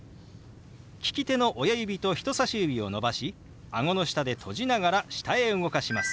利き手の親指と人さし指を伸ばしあごの下で閉じながら下へ動かします。